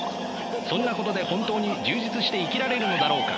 そんなことで本当に充実して生きられるのだろうか。